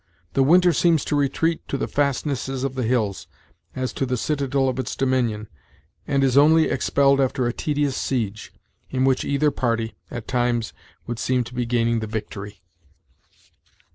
The winter seems to retreat to the fast nesses of the hills, as to the citadel of its dominion, and is only expelled after a tedious siege, in which either party, at times, would seem to be gaining the victory."